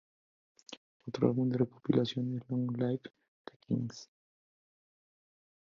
Otro álbum de recopilaciones, "Long Live the Queens!